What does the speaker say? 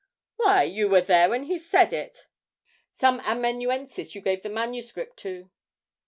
'Why, you were there when he said it. Some amanuensis you gave the manuscript to.'